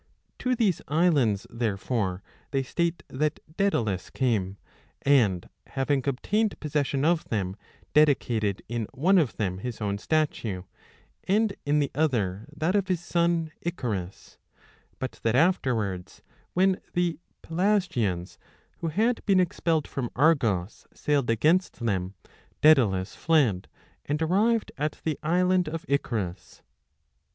To these islands, therefore, they state that Daedalus came, and, having obtained possession of them, dedicated in one of them his own statue, and in the other that of his son Icarus; but that 10 afterwards, when the Pelasgians, who had been expelled from Argos, sailed against them, Daedalus fled, and arrived at the island of Icarus.